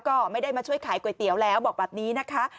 ก็ไม่ได้มาช่วยขายก๋วยเตี๋ยวแล้วบอกแบบนี้นะคะ